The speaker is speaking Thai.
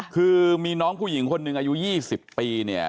คือมีน้องคุจญีกคนนึงอายุ๒๐ปี